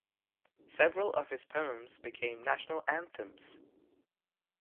Several of his poems became national anthems.